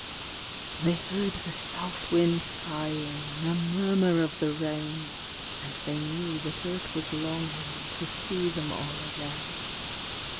They heard the South wind sighing A murmur of the rain; And they knew that Earth was longing To see them all again.